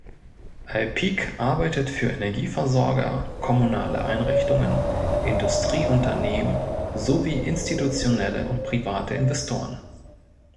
Alpiq arbeitet für Energieversorger, kommunale Einrichtungen, Industrieunternehmen sowie institutionelle und private Investoren.